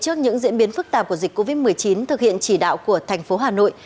trước những diễn biến phức tạp của dịch covid một mươi chín thực hiện chỉ đạo của thành phố hà nội